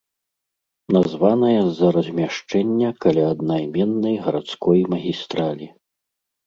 Названая з-за размяшчэння каля аднайменнай гарадской магістралі.